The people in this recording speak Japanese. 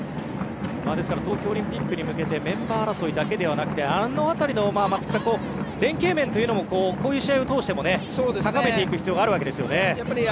ですから東京オリンピックに向けてメンバー争いだけではなくてあの辺りの連係面というのもこういう試合を通しても高めていく必要があるわけですね。